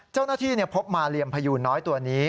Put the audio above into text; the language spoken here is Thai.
เจ้าหน้าที่พบมาเลียมพยูนน้อยตัวนี้